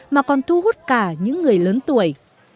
mà còn thu hút cả những người lớn tuổi